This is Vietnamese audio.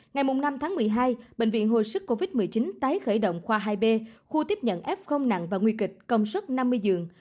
ngày năm tháng một mươi hai bệnh viện hồi sức covid một mươi chín tái khởi động khoa hai b khu tiếp nhận f nặng và nguy kịch công suất năm mươi giường